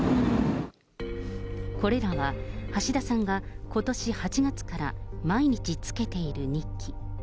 これらは、橋田さんがことし８月から毎日つけている日記。